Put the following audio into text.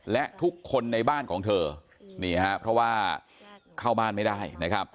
และทุกคนในบ้านของเธอนี่ฮะเพราะว่าเข้าบ้านไม่ได้นะครับ